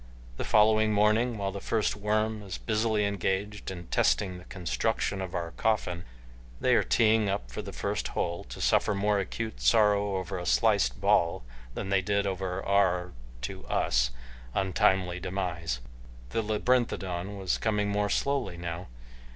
The following morning, while the first worm is busily engaged in testing the construction of our coffin, they are teeing up for the first hole to suffer more acute sorrow over a sliced ball than they did over our, to us, untimely demise. The labyrinthodon was coming more slowly now.